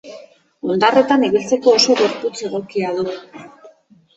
Hondarretan ibiltzeko oso gorputz egokia du.